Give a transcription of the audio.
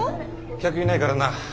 客いないからな。